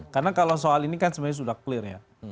karena kalau soal ini kan sebenarnya sudah clear ya